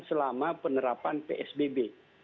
selama penerapan psbb